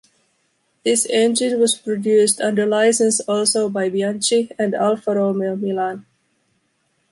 This engine was produced under license also by Bianchi and Alfa Romeo Milan.